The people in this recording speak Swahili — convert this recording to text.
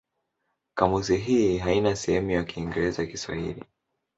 Kamusi hii haina sehemu ya Kiingereza-Kiswahili.